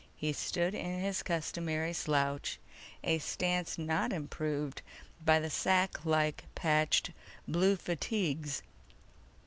He stood in his customary slouch, a stance not improved by sacklike patched blue fatigues.